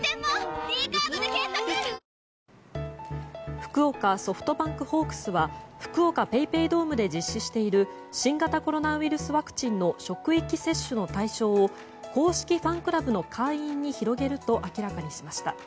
福岡ソフトバンクホークスは福岡ＰａｙＰａｙドームで実施している新型コロナウイルスワクチンの職域接種の対象を公式ファンクラブの会員に広げると明らかにしました。